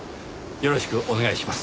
よろしくお願いします。